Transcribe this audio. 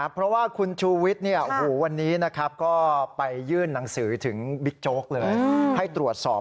เพราะว่าคุณชูวิทย์วันนี้ก็ไปยื่นหนังสือถึงบิ๊กโจ๊กเลยให้ตรวจสอบ